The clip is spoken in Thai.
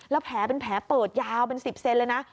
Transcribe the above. แล้วแผลเป็นแผลเปิดยาวเป็น๑๐เซนเลยนะ